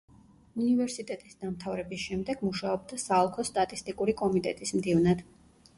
უნივერსიტეტის დამთავრების შემდეგ მუშაობდა საოლქო სტატისტიკური კომიტეტის მდივნად.